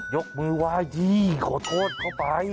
ยกมือวาดดีขอโทษเขาไป